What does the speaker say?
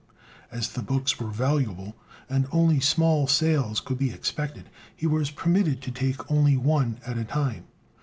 As the books were valuable, and only small sales could be expected, he was permitted to take only one at a time.